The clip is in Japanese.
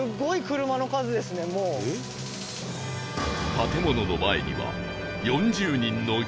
建物の前には